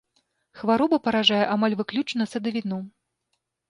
Хвароба паражае амаль выключна садавіну.